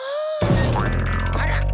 あら！